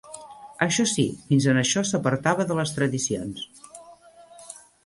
Això sí, fins en això s'apartava de les tradicions